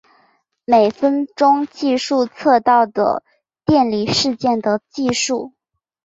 每分钟计数测到的电离事件的计数。